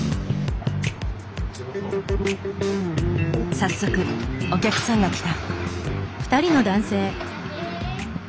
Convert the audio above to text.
早速お客さんが来た。